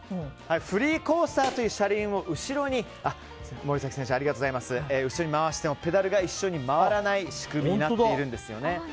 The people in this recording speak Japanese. フリーコースターという車輪を後ろに回してもペダルが一緒に回らない仕組みになっているんですよね。